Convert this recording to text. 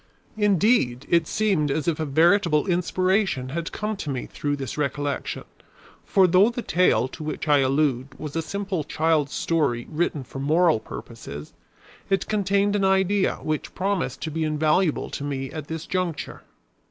Indeed, it seemed as if a veritable inspiration had come to me through this recollection, for though the tale to which I allude was a simple child's story written for moral purposes, it contained an idea which promised to be invaluable to me at this juncture.